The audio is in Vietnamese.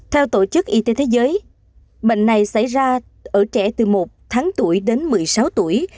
theo tổ chức y tế thế giới bệnh này xảy ra ở trẻ từ một tuổi đến hai tuổi